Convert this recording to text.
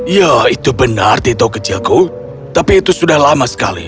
ya itu benar tito kecilku tapi itu sudah lama sekali